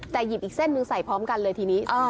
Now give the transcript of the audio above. แต่หยิบอีกเส้นหนึ่งใส่พร้อมกันเลยทีนี้